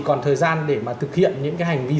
còn thời gian để mà thực hiện những cái hành vi